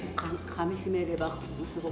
かみしめればすごく。